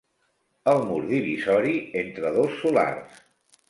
El mur divisori entre dos solars.